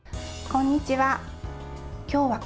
こんにちは。